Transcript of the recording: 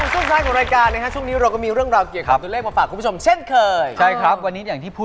ช่วงท้ายของรายการนะฮะช่วงนี้เราก็มีเรื่องราวเกี่ยวกับตัวเลขมาฝากคุณผู้ชมเช่นเคยใช่ครับวันนี้อย่างที่พูด